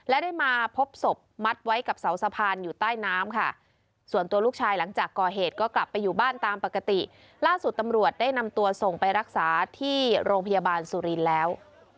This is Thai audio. ล่าสุดตำรวจได้นำตัวส่งไปรักษาที่โรงพยาบาลสุรินทร์แล้ว